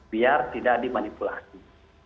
biar tidak dimanipulasi